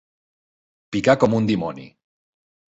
Picar com un dimoni.